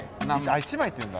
１枚っていうんだ。